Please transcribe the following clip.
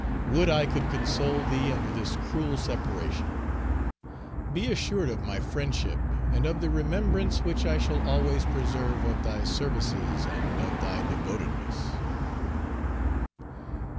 Would I could console thee under this cruel separation: be assured of my friendship and of the remembrance which I shall always preserve of thy services and of thy devotedness."